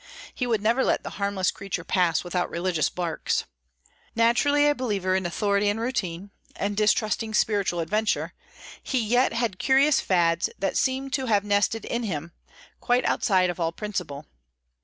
He would never let the harmless creatures pass without religious barks. Naturally a believer in authority and routine, and distrusting spiritual adventure, he yet had curious fads that seemed to have nested in him, quite outside of all principle.